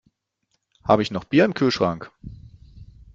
Habe ich noch Bier im Kühlschrank?